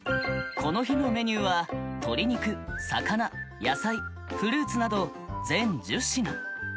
この日のメニューは鶏肉魚野菜フルーツなど全１０品。